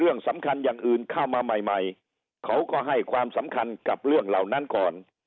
เรื่องสำคัญอย่างอื่นเข้ามาใหม่ใหม่เขาก็ให้ความสำคัญกับเรื่องเหล่านั้นก่อน